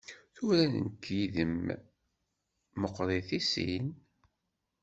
Tura nekk yid-m meqqrit i sin.